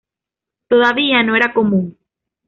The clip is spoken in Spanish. Todavía no era común.